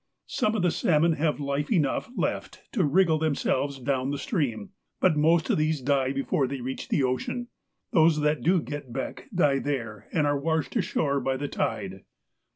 Some of the salmon have life enough left to wriggle themselves down the stream, but most of these die before they reach the ocean. Those that do get back die there and are washed ashore by the tide.